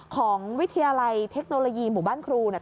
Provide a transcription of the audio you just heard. ของวิทยาลัยเทคโนโลยีหมู่บ้านครูเนี่ย